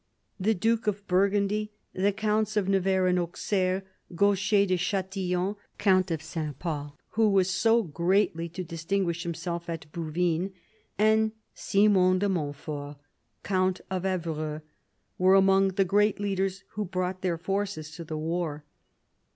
The duke of Burgundy, the counts of Nevers and Auxerre, Gaucher de Chatillon, count of S. Pol, who was so greatly to distinguish himself at Bouvines, and Simon de Mont fort, count of Evreux, were among the great leaders who brought their forces to the war.